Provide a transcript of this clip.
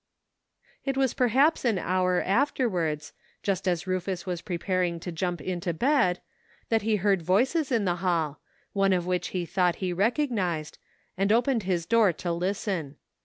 Jt was perhaps an hour afterwards, just as Rufus was preparing to jump into bed, that he heard voices in the hall, one of which he thought he recognized, and opened his door to listen.